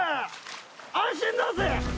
安心だぜ！